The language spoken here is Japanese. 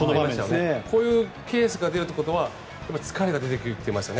こういうケースが出るということは疲れが出てきてますよね。